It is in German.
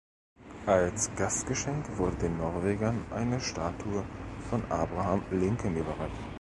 Als Gastgeschenk wurde den Norwegern eine Statue von Abraham Lincoln überreicht.